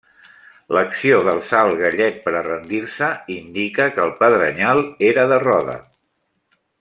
L'acció d'alçar el gallet per a rendir-se indica que el pedrenyal era de roda.